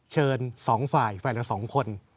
เชิญ๒ฝ่ายฝ่ายละ๒คน